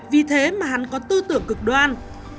vì thế mà hắn có tư tưởng cực đoan